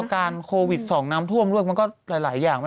ถ้าอย่างง่ายเริ่มรวมตัวการโควิด๒น้ำท่วมเลือดมันก็หลายอย่าง